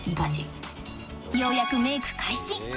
ようやくメイク開始！